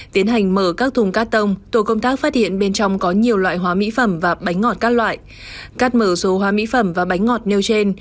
tiến hành mở các thùng cát tông tổ công tác phát hiện bên trong có nhiều loại hóa mỹ phẩm và bánh ngọt các loại cát mở số hóa mỹ phẩm và bánh ngọt nêu trên